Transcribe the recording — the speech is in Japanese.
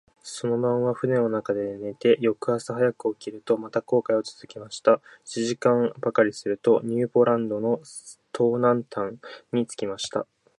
その晩は舟の中で寝て、翌朝早く起きると、また航海をつづけました。七時間ばかりすると、ニューポランドの東南端に着きました。